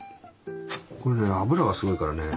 これね脂がすごいからね